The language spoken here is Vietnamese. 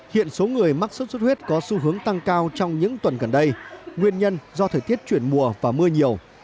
hiện số người mắc sốt xuất huyết có xu hướng tăng cao trong những tuần gần đây nguyên nhân do thời tiết chuyển mùa và mưa nhiều